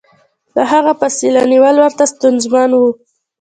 له هغه فاصله نیول ورته ستونزمن و.